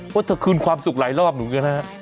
ว่าเธอคืนความสุขหลายรอบอยู่กันนะฮะ